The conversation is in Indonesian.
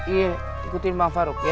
iya ikutin bang farouk ya